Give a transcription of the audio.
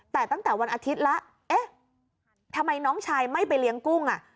แต่ตั้งแต่วันอาทิตย์แล้วเอ๊ะทำไมน้องชายไม่ไปเลี้ยงกุ้งอ่ะ